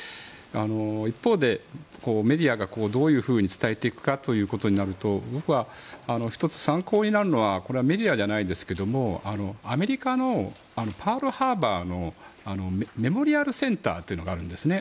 一方でメディアがどういうふうに伝えていくかということになると僕は１つ、参考になるのはメディアじゃないですけどもアメリカのパール・ハーバーのメモリアルセンターというのがあるんですね。